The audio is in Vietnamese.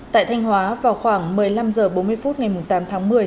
tại thanh hóa vào khoảng một mươi năm h bốn mươi phút ngày tám tháng một mươi